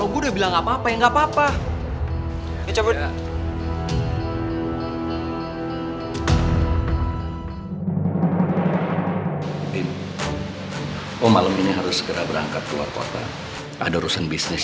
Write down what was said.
gue mau ngetakin deh